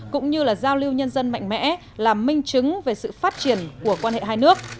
cũng như là giao lưu nhân dân mạnh mẽ là minh chứng về sự phát triển của quan hệ hai nước